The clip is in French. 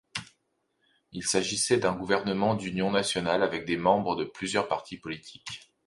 Il s'agissait d'un gouvernement d’union nationale avec des membres de plusieurs partis politiques.